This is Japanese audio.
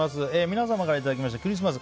皆様からいただいたクリスマス！